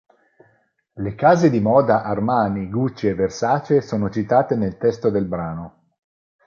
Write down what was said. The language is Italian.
Le case di moda Armani, Gucci e Versace sono citate nel testo del brano.